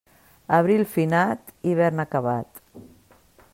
Abril finat, hivern acabat.